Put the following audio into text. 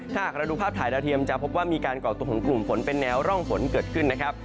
ถ้าหากเราดูภาพถ่ายดาวเทียมจะพบว่ามีการก่อตัวของกลุ่มฝนเป็นแนวร่องฝนเกิดขึ้นนะครับ